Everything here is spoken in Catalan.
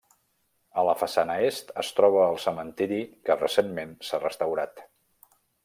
A la façana est, es troba el cementiri que recentment s'ha restaurat.